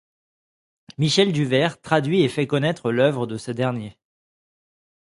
Michel Duvert traduit et fait connaître l'œuvre de ce dernier.